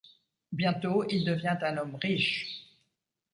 Bientôt il devient un homme riche.